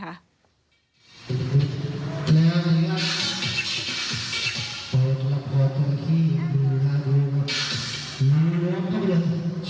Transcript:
หวานมาก